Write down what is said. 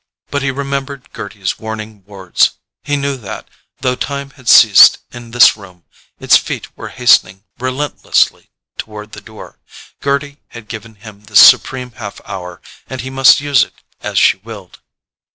But he remembered Gerty's warning words—he knew that, though time had ceased in this room, its feet were hastening relentlessly toward the door. Gerty had given him this supreme half hour, and he must use it as she willed.